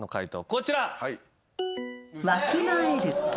こちら。